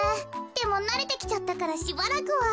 でもなれてきちゃったからしばらくは。